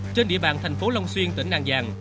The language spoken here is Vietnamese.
trên địa bàn thành phố long xuyên tỉnh an giang